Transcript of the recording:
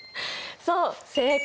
そう正解。